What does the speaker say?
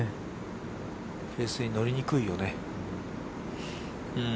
フェースに乗りにくいよね。